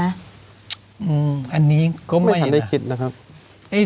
อันนี้ก็ไม่ได้คิดนะครับ